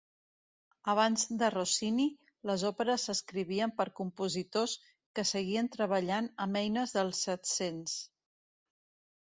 Abans de Rossini, les òperes s'escrivien per compositors que seguien treballant amb eines del Set-cents.